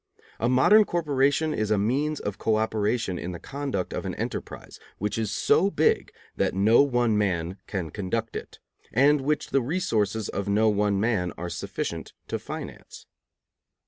A modern corporation is a means of co operation in the conduct of an enterprise which is so big that no one man can conduct it, and which the resources of no one man are sufficient to finance.